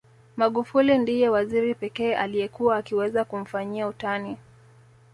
Magufuli ndiye waziri pekee aliyekuwa akiweza kumfanyia utani